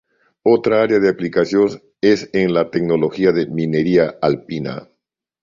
Otra área de aplicación es en la tecnología de minería alpina.